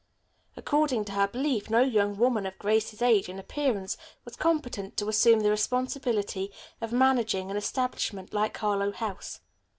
According to her belief no young woman of Grace's age and appearance was competent to assume the responsibility of managing an establishment like Harlowe House.